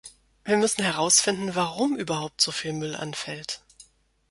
Wir müssen herausfinden, warum überhaupt so viel Müll anfällt.